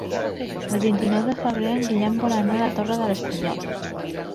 El vint-i-nou de febrer en Guillem vol anar a la Torre de l'Espanyol.